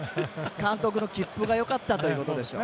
監督の切符がよかったということでしょう。